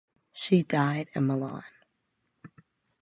She died in Milan.